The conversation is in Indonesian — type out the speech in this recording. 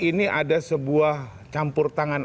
ini ada sebuah campur tangan